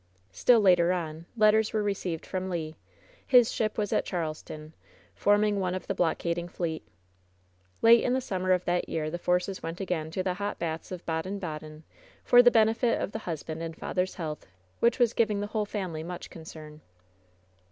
Still later on letters were received from Le. His ship was at Charleston, forming one of the blockading fleet. Late in the summer of that year the Forces went again to the hot baths of Baden Baden for the benefit of the husband and father's health, which was giving the whole family much concern.